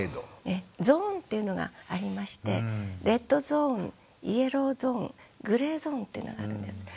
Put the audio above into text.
ゾーンっていうのがありましてレッドゾーンイエローゾーングレーゾーンっていうのがあるんです。